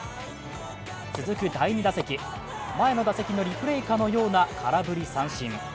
続く第２打席前の打席のリプレーかのような空振り三振。